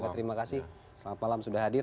terima kasih selamat malam sudah hadir